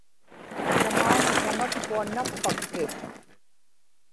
tamauŋa tamatkua nappakki